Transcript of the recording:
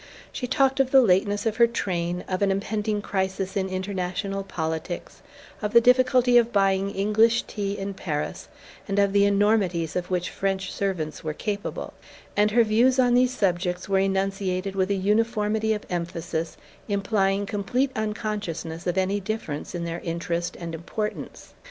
She talked of the lateness of her train, of an impending crisis in international politics, of the difficulty of buying English tea in Paris and of the enormities of which French servants were capable; and her views on these subjects were enunciated with a uniformity of emphasis implying complete unconsciousness of any difference in their interest and importance.